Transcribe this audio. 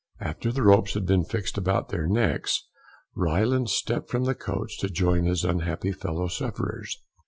After the ropes had been fixed about their necks, Ryland stepped from the coach to join his unhappy fellow sufferers.